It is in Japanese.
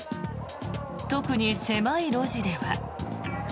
特に狭い路地では。